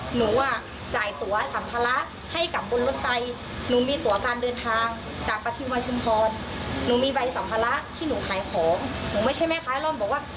หนูมีตัวการเดินทางจากประธิวมาชุมพรหนูมีใบสัมภาระที่หนูขายของหนูไม่ใช่แม่คล้ายล่อมบอกว่า